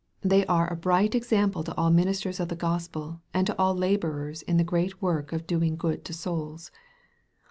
They are a bright example to all ministers of the Gospel, and to all laborers in the great work of doing good to souls.